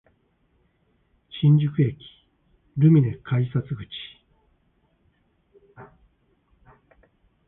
新宿駅ルミネ口改札